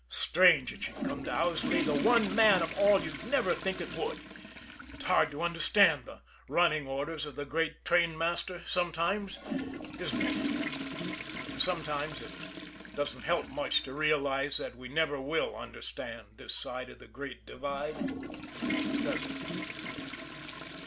Strange it should come to Owsley, the one man of all you'd never think it would! It's hard to understand the running orders of the Great Trainmaster sometimes isn't it? And sometimes it doesn't help much to realize that we never will understand this side of the Great Divide does it?